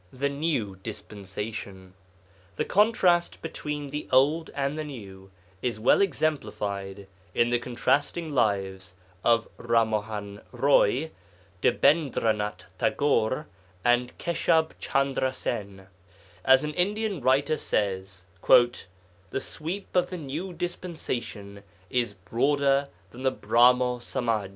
THE NEW DISPENSATION The contrast between the Old and the New is well exemplified in the contrasting lives of Rammohan Roy, Debendranath Tagore, and Keshab Chandra Sen. As an Indian writer says: 'The sweep of the New Dispensation is broader than the Brahmo Samaj.